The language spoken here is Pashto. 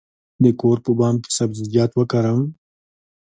د کور په بام کې سبزیجات وکرم؟